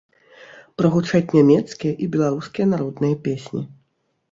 Прагучаць нямецкія і беларускія народныя песні.